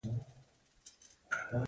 د کوکو ګل د خوشحالۍ لپاره وکاروئ